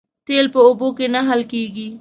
تیل په اوبو کې نه حل کېږي